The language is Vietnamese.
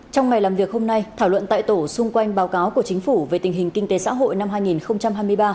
trong ngày làm việc hôm nay thảo luận tại tổ xung quanh báo cáo của chính phủ về tình hình kinh tế xã hội năm hai nghìn hai mươi ba